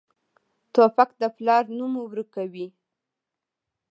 توپک د پلار نوم ورکوي.